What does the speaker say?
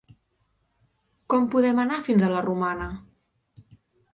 Com podem anar fins a la Romana?